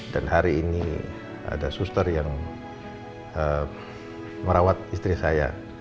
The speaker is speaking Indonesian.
dan hari ini ada suster yang merawat istri saya